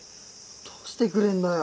どうしてくれんだよ。